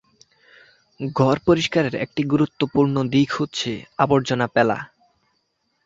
ঘর পরিষ্কারের একটি গুরুত্বপূর্ণ দিক হচ্ছে আবর্জনা ফেলা।